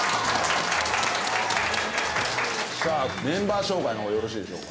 さあメンバー紹介の方よろしいでしょうか？